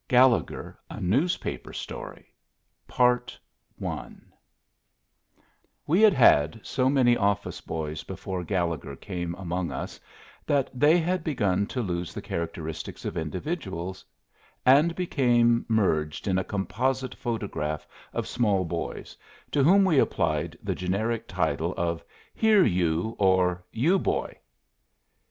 GALLEGHER A NEWSPAPER STORY We had had so many office boys before Gallegher came among us that they had begun to lose the characteristics of individuals, and became merged in a composite photograph of small boys, to whom we applied the generic title of "Here, you"; or "You, boy."